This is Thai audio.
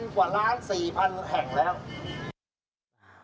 กว่าล้าน๔๐๐๐แห่งแล้ว